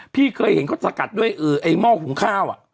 พี่เคยเห็นเขาสกัดด้วยไอ้หม้อหุงข้าว